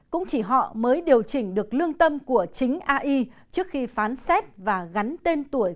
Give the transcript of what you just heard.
cũng chỉ họ mới điều chỉnh được lương tâm của chính ai trước khi phán xét và gắn tên tuổi